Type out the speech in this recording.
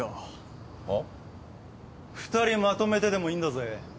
２人まとめてでもいいんだぜ。